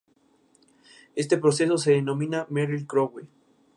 Este proceso se denomina Merril Crowe.